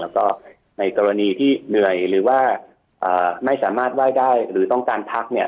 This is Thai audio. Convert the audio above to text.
ก็ในกรณีที่เหนื่อยหรือว่าไม่สามารถไหว้ได้หรือต้องการพักเนี่ย